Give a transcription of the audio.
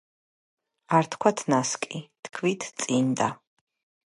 არ თქვათ ნასკი თქვით წინდა